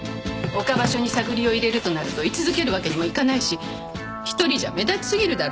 岡場所に探りを入れるとなると居続けるわけにもいかないし１人じゃ目立ちすぎるだろ